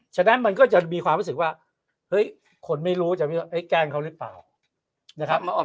ฉะนั้นมันก็จะมีความรู้สึกว่าเฮ้ยคนไม่รู้จะแกล้งเขาหรือเปล่านะครับ